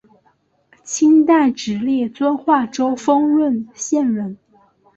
清代直隶遵化州丰润县人。